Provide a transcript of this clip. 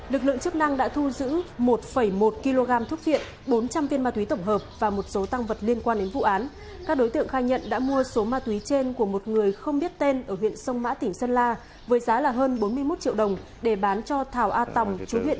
lực lượng chức năng đã nhanh chóng điều tra truy xét bắt giữ hai đối tượng